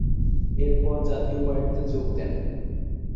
এর পর জাতীয় পার্টিতে যোগ দেন।